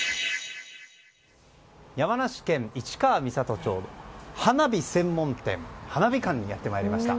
山梨県市川三郷町花火専門店はなびかんにやってまいりました。